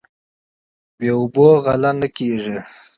بې اوبو غله نه کیږي.